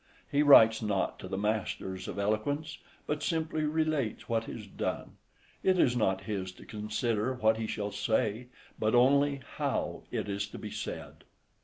He writes not to the masters of eloquence, but simply relates what is done. It is not his to consider what he shall say, but only how it is to be said.